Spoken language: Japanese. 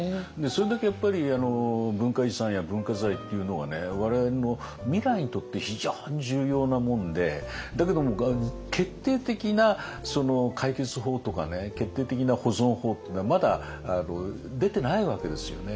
それだけやっぱり文化遺産や文化財っていうのが我々の未来にとって非常に重要なもんでだけども決定的な解決法とか決定的な保存法っていうのはまだ出てないわけですよね。